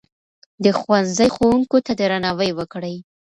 د ښوونځي ښوونکو ته درناوی وکړئ.